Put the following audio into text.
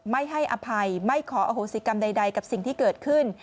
ไม่ให้อภัยไม่ขออโหสิกรรมใดกับสิ่งที่เกิดขึ้น